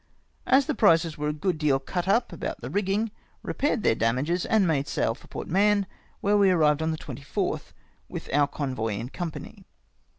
As the prizes were a good deal cut up about the rigging, repaired their damages and made sail for Port Mahon, where we arrived on the 24th, with our convoy in company.